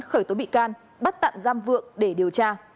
khởi tố bị can bắt tạm giam vượng để điều tra